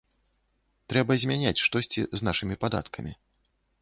Трэба змяняць штосьці з нашымі падаткамі.